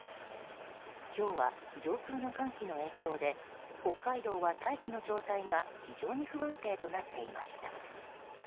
今日は上空の寒気の影響で北海道は大気の状態が非常に不安定となっておりました。